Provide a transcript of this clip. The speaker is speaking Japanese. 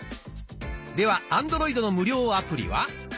ではアンドロイドの無料アプリは？